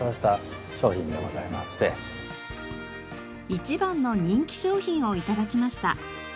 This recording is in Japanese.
一番の人気商品を頂きました。